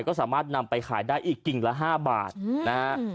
ก็สามารถนำไปขายได้อีกกิ่งละ๕บาทนะฮะ